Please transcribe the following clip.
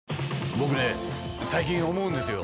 僕ね最近思うんですよ。